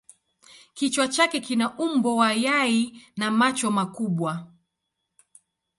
Kichwa chake kina umbo wa yai na macho makubwa.